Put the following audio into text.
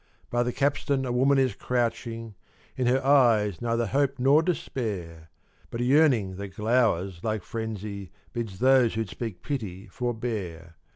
By the capstan a woman is crouching. In her eyes neither hope nor despair; But a yearning that glowers like frenzy bids those who'd speak pity forbear.